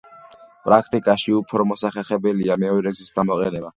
პრაქტიკაში უფორ მოსახერხებელია მეორე გზის გამოყენება.